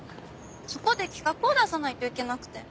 そこで企画を出さないといけなくて。